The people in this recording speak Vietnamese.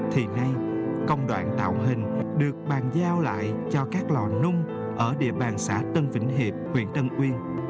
thì nay công đoạn tạo hình được bàn giao lại cho các lò nung ở địa bàn xã tân vĩnh hiệp huyện tân uyên